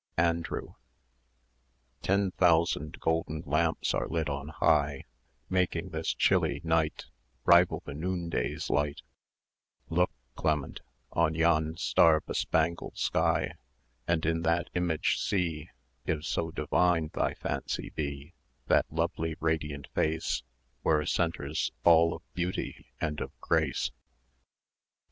ANDREW. Ten thousand golden lamps are lit on high, Making this chilly night Rival the noon day's light; Look, Clement, on yon star bespangled sky, And in that image see, If so divine thy fancy be, That lovely radiant face, Where centres all of beauty and of grace.